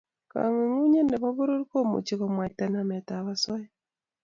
Kangungunyet nebo poror komuchi komwaita nametab osoya